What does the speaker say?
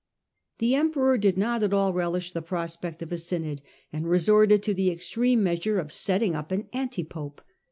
The emperor did not at all relish the prospect of a synod, and resorted to the extreme measure of setting up an anti pope.